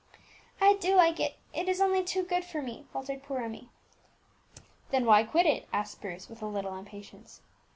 "I do like it, it is only too good for me," faltered poor Emmie. "Then why quit it?" asked Bruce, with a little impatience.